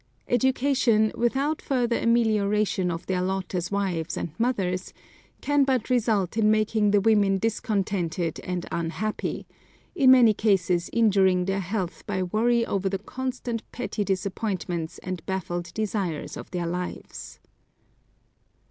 Education, without further amelioration of their lot as wives and mothers, can but result in making the women discontented and unhappy, in many cases injuring their health by worry over the constant petty disappointments and baffled desires of their lives.